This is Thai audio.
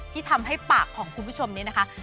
ที่ทำให้ปากของคุณผู้ชมนี้นะคะ